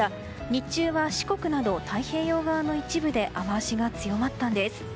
日中は四国など太平洋側の一部で雨脚が強まったんです。